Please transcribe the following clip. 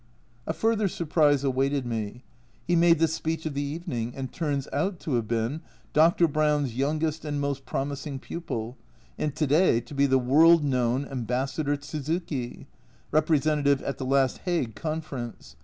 A further surprise awaited me ; he made the speech of the evening, and turns out to have been Dr. Brown's youngest and most promising pupil, and to day to be the world known Ambassador Tsuzuki, representative at the last Hague Conference